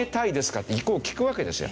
って意向を聞くわけですよ。